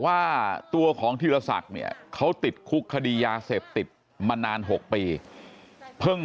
ว่าตัวของธีรศักดิ์เนี่ยเขาติดคุกคดียาเสพติดมานาน๖ปีเพิ่ง